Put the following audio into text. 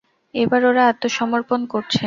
এবার ওরা আত্মসমর্পণ করছে।